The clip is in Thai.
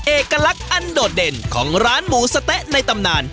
เอกลักษณ์อันโดดเด่นของร้านหมูสะเต๊ะในตำนาน